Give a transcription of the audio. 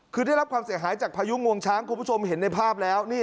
คือได้รับความเสียหายจากพายุงวงช้างคุณผู้ชมเห็นในภาพแล้ว